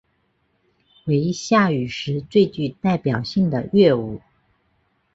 为夏禹时最具代表性的乐舞。